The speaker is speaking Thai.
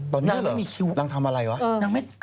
ตอนนี้เหรอนางทำอะไรวะ